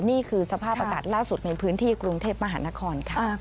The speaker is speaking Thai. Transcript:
นี่คือสภาพอากาศล่าสุดในพื้นที่กรุงเทพมหานครค่ะ